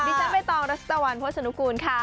ดิชันเบตองรัชตะวันพวชนุกูลค่ะ